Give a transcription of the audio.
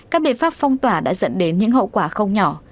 các biện pháp phong tỏa đã dẫn đến những hậu quả không nhỏ